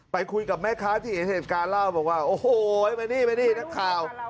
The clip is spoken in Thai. ไปคุยกับแม่ค้าที่เห็นเหตุการณ์เล่าบอกว่าโอ้โหมานี่มานี่นักข่าว